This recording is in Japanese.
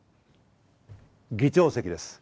議長席です。